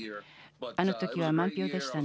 あのときは満票でしたね。